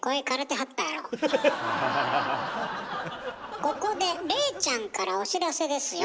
ここで礼ちゃんからお知らせですよ。